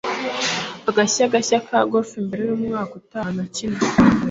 agashya gashya ka golf mbere yumwaka utaha nakinnye